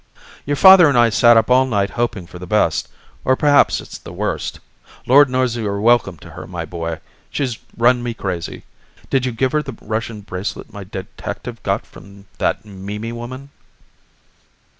"Your father and I sat up all night hoping for the best or perhaps it's the worst. Lord knows you're welcome to her, my boy. She's run me crazy. Did you give her the Russian bracelet my detective got from that Mimi woman?"